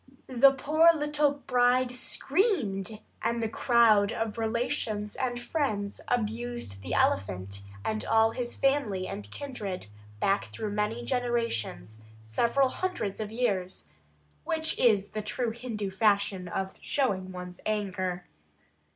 The poor little bride screamed, and the crowd of relations and friends abused the elephant and all his family and kindred back through many generations, several hundreds of years, which is the true Hindu fashion of showing one's anger.